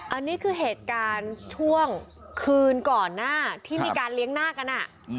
อันนี้คือเหตุการณ์ช่วงคืนก่อนหน้าที่มีการเลี้ยงหน้ากัน